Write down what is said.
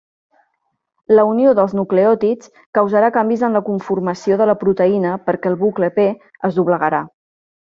La unió dels nucleòtids causarà canvis en la conformació de la proteïna perquè el bucle P es doblegarà.